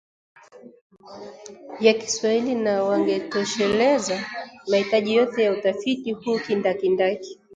ya Kiswahili na wangetosheleza mahitaji yote ya utafiti huu kindakindaki